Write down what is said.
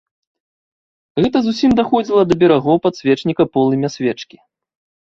Гэта зусім даходзіла да берагоў падсвечніка полымя свечкі.